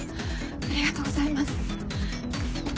ありがとうございます。